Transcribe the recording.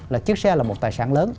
là chiếc xe là một tài sản lớn